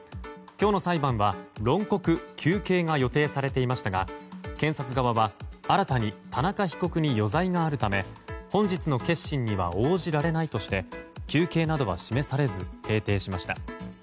今日の裁判は、論告求刑が予定されていましたが検察側は新たに田中被告に余罪があるため本日の結審には応じられないとして求刑などは示されず閉廷しました。